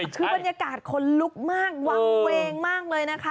คือบรรยากาศคนลุกมากวางเวงมากเลยนะคะ